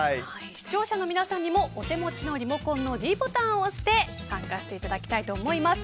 視聴者の皆様にもお手持ちのリモコンのｄボタンを押して参加していただきたいと思います。